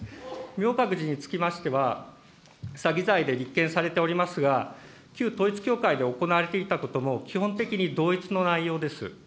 明覚寺につきましては、詐欺罪で立件されておりますが、旧統一教会で行われていたことも基本的に同一の内容です。